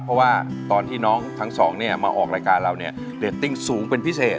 เพราะว่าตอนที่น้องทั้งสองเนี่ยมาออกรายการเราเนี่ยเรตติ้งสูงเป็นพิเศษ